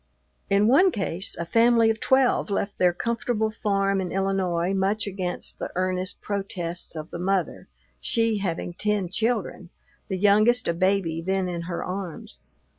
In one case a family of twelve left their comfortable farm in Illinois, much against the earnest protests of the mother; she having ten children, the youngest a baby then in her arms.